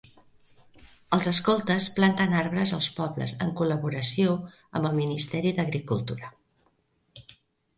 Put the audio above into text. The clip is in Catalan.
Els escoltes planten arbres als pobles en col·laboració amb el Ministeri d'Agricultura.